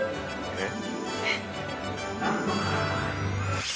えっ？